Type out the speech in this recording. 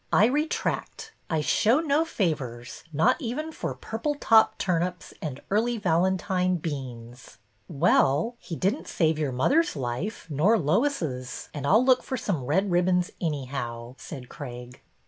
I retract. I show no favors, not even for purple top turnips and Early Valentine beans.'^ Well, he did n't save your mother's life, nor Lois's, and I 'll look for some red ribbons any how," said Craig.